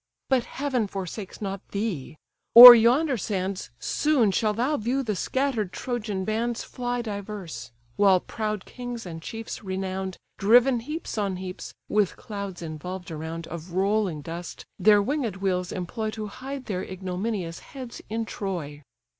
But Heaven forsakes not thee: o'er yonder sands Soon shall thou view the scattered Trojan bands Fly diverse; while proud kings, and chiefs renown'd, Driven heaps on heaps, with clouds involved around Of rolling dust, their winged wheels employ To hide their ignominious heads in Troy."